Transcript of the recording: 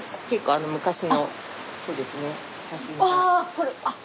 これあっ。